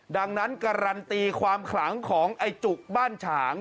ดังนั้นการันตีความขลังของไอ้จุกบ้านฉาง